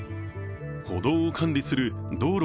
歩道を管理している道路